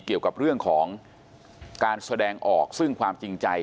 เกี่ยวกับเรื่องของการแสดงออกซึ่งความจริงใจ